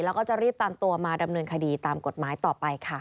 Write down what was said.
แล้วก็จะรีบตามตัวมาดำเนินคดีตามกฎหมายต่อไปค่ะ